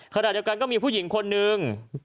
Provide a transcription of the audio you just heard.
ขณะเดียวกันก็มีผู้หญิงคนนึง